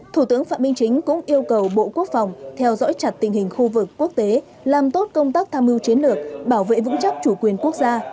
thủ tướng phạm minh chính cũng yêu cầu bộ quốc phòng theo dõi chặt tình hình khu vực quốc tế làm tốt công tác tham mưu chiến lược bảo vệ vững chắc chủ quyền quốc gia